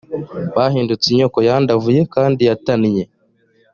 bahindutse inyoko yandavuye kandi yatannye.